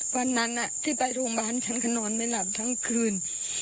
วันนั้นที่ไปโรงพยาบาลฉันก็นอนไม่หลับทั้งคืน